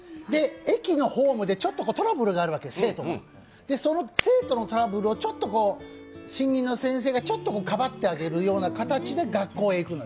駅のホームでちょっと生徒とトラブルがあるわけるその生徒のトラブルをちょっと新任の先生がかばってあげる形で学校へ行くの。